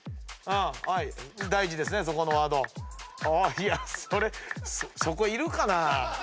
いやそれそこいるかなぁ？